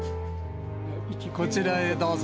こちらへどうぞ。